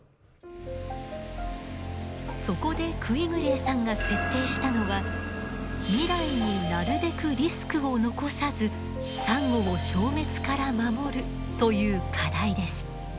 そこでクィグレーさんが設定したのは未来になるべくリスクを残さずサンゴを消滅から守るという課題です。